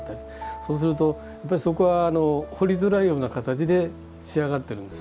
そうするとそこは彫りづらいような形で仕上がってるんです。